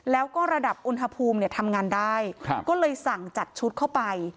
แล้วก็ระดับอุณหภูมิเนี่ยทำงานได้ก็เลยสั่งจัดชุดเข้าไป